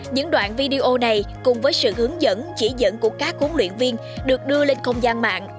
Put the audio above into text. những đoạn video này cùng với sự hướng dẫn chỉ dẫn của các huấn luyện viên được đưa lên không gian mạng